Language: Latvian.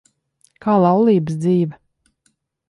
Kā laulības dzīve?